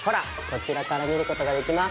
こちらから見ることができます。